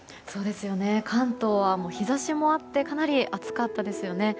関東は日差しもあってかなり暑かったですよね。